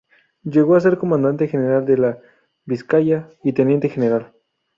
Llegó a ser comandante general de Vizcaya y teniente general.